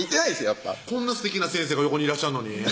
やっぱこんなすてきな先生が横にいらっしゃるのに？